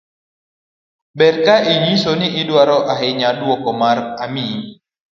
ber ka inyiso ni idwaro ahinya duoko ma imiyi